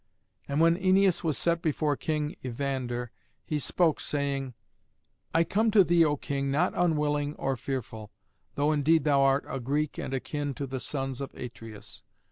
And when Æneas was set before King Evander he spake, saying, "I come to thee, O King, not unwilling or fearful, though indeed thou art a Greek and akin to the sons of Atreus.